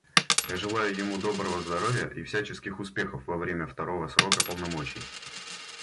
Я желаю ему доброго здоровья и всяческих успехов во время второго срока полномочий.